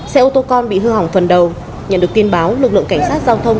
xe ô tô con bị hư hỏng phần đầu nhận được tin báo lực lượng cảnh sát giao thông